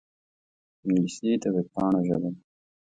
انګلیسي د وېبپاڼو ژبه ده